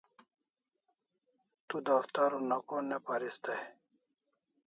Tu daftar una ko ne paris dai?